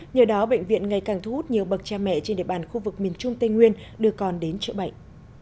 nhờ đó bệnh viện ngày càng thu hút nhiều bậc cha mẹ trên địa bàn khu vực miền trung tây nguyên đưa con đến chữa bệnh